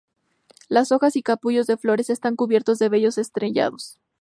Las hojas y capullos de flores están cubiertos de vellos estrellados.